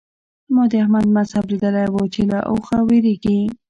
ما د احمد مذهب ليدلی وو چې له اوخه وېرېږي.